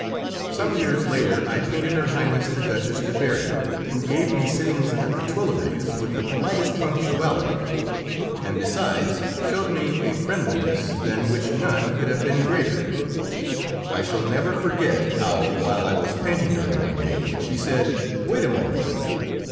Some years later I painted Her Highness the Duchess de Berri, who gave me sittings at the Tuileries with the politest punctuality, and besides showed me a friendliness than which none could have been greater. I shall never forget how, while I was painting her one day, she said, "Wait a moment."